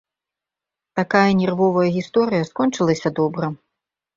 Такая нервовая гісторыя скончылася добра.